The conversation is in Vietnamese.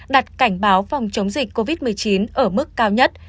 đặt cảnh báo phòng chống dịch covid một mươi chín ở mức cao nhất